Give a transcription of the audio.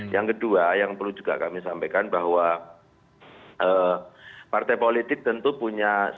yang kedua yang perlu juga kami sampaikan bahwa partai politik tentu punya